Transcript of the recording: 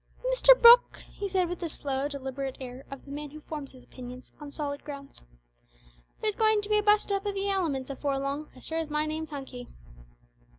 "Mr Brooke," he said, with the slow deliberate air of the man who forms his opinions on solid grounds, "there's goin' to be a bu'st up o' the elements afore long, as sure as my name's Hunky."